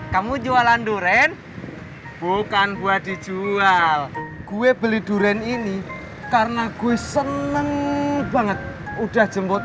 kamu jualan durian bukan buat dijual gue beli durian ini karena gue seneng banget udah jemput